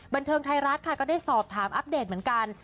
บันเทิงไทยรัฐค่ะก็ได้สอบถามอัปเดตเหมือนกัน